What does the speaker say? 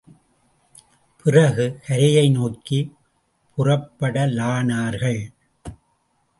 பிறகு, கரையை நோக்கிப் புறப்படலானார்கள்.